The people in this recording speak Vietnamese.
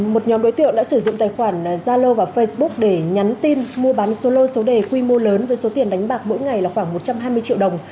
một nhóm đối tượng đã sử dụng tài khoản zalo và facebook để nhắn tin mua bán solo số đề quy mô lớn với số tiền đánh bạc mỗi ngày là khoảng một trăm hai mươi triệu đồng